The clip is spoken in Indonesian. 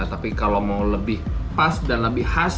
tapi kalau mau lebih pas dan lebih khas